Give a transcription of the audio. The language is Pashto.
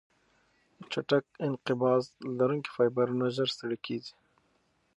چټک انقباض لرونکي فایبرونه ژر ستړې کېږي.